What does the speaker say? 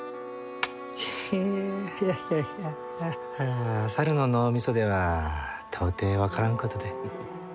ヘヘッいやいや猿の脳みそでは到底分からんことで。